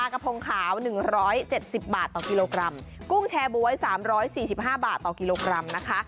กระพงขาว๑๗๐บาทต่อกิโลกรัมกุ้งแชร์บ๊วย๓๔๕บาทต่อกิโลกรัมนะคะ